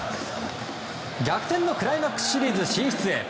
逆転のクライマックスシリーズ進出へ。